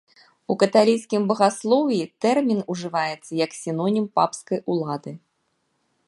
У каталіцкім багаслоўі тэрмін ужываецца як сінонім папскай улады.